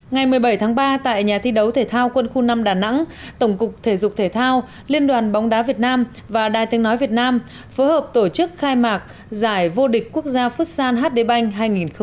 ngày một mươi bảy tháng ba tại nhà thi đấu thể thao quân khu năm đà nẵng tổng cục thể dục thể thao liên đoàn bóng đá việt nam và đài tiếng nói việt nam phối hợp tổ chức khai mạc giải vô địch quốc gia phút sàn hd bank hai nghìn hai mươi